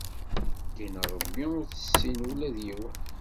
Din Ṛebbi ur tissin ula d yiwen